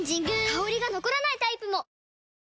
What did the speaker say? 香りが残らないタイプも！